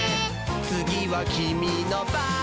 「つぎはキミのばん」